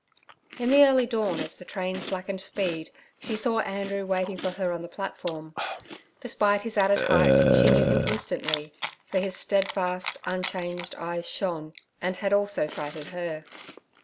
In the early dawn as the train slackened speed she saw Andrew waiting for her on the platform. Despite his added height she knew him instantly, for his steadfast, unchanged eyes shone, and had also sighted her.